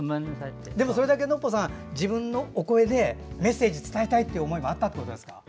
でも、それだけノッポさん自分のお声でメッセージ伝えたいという思いがあったということですか。